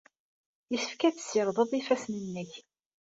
Yessefk ad tessirdeḍ ifassen-nnek.